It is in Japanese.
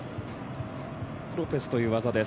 ロペスという技です。